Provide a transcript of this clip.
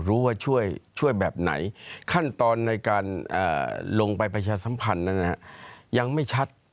รู้ว่าช่วยช่วยแบบไหนขั้นตอนในการอ่าลงไปประชาสัมผันและอย่างไม่ชัด